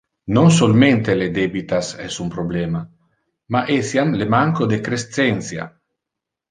Non solmente le debitas es un problema, ma etiam le manco de crescentia.